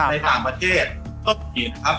ในต่างประเทศก็ผิดครับ